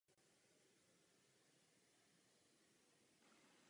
Jaká to byla doba pro Lotyšsko?